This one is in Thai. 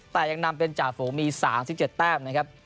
แต่ยังนำเป็นจ่าฝูงมี๓๗แต้มนะครับ